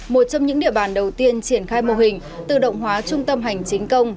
một trong những địa bàn đầu tiên triển khai mô hình tự động hóa trung tâm hành chính công